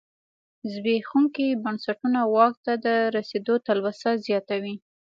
زبېښونکي بنسټونه واک ته د رسېدو تلوسه زیاتوي.